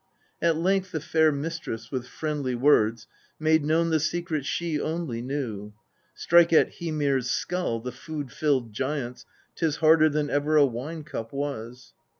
31. At length the fair mistress with friendly words made known the secret she only knew :' Strike at Hymir's skull, the food filled giant's, 'tis harder than ever a wine cup was.'